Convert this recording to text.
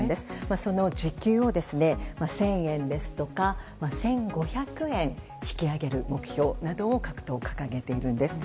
その時給を１０００円ですとか１５００円引き上げる目標などを各党、掲げているんです。